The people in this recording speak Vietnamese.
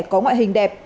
có ngoại hình đẹp